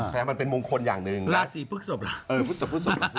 แท้มันเป็นมงคลอย่างนึงราศีพรึกศพเหรอเออพรึกศพ